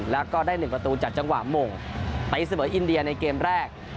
แล้วก็ได้๑ประตูจัดจังหวะโมงไปสเบอร์อินเดียในเกมแรก๑๑